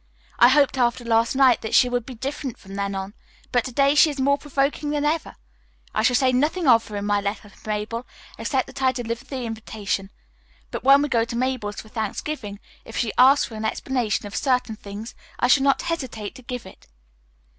I hoped after last night that she would be different from then on, but to day she is more provoking than ever. I shall say nothing of her in my letter to Mabel, except that I delivered the invitation, but when we go to Mabel's for Thanksgiving if she asks for an explanation of certain things I shall not hesitate to give it."